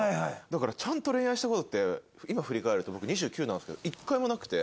だからちゃんと恋愛した事って今振り返ると僕２９なんですけど１回もなくて。